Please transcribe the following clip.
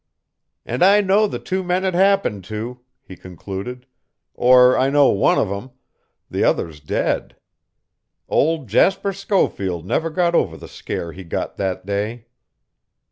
"And I know the two men it happened to," he concluded; "or I know one of 'em; the other's dead. Ol' Jasper Schofield never got over the scare he got that day."